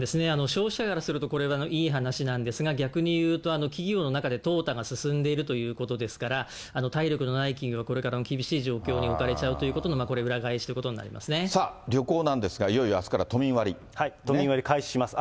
消費者からするとこれはいい話なんですが、逆にいうと企業の中で、淘汰が進んでいるということですから、体力のない企業はこれから厳しい状況に置かれちゃうということのこれ、裏返しということにさあ、旅行なんですが、いよ都民割、開始します。